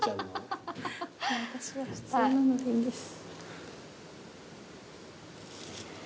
私は普通なのでいいです。